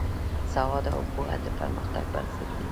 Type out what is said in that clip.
سواد او پوهه د پرمختګ بنسټ دی.